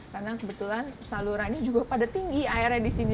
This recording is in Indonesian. karena kebetulan salurannya juga pada tinggi airnya di sini